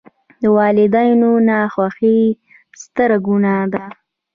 د والداینو ناخوښي ستره ګناه ده.